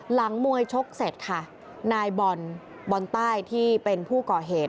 หลังมวยชกเสร็จค่ะนายบอลบอลใต้ที่เป็นผู้ก่อเหตุ